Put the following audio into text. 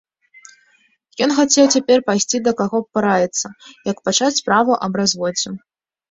Ён хацеў цяпер пайсці да каго параіцца, як пачаць справу аб разводзе.